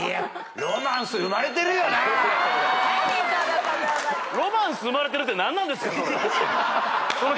ロマンス生まれてるだろ。